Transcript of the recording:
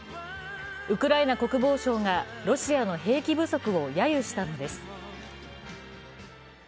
ウクライナ国防省がロシアの兵器不足をやゆしたのです。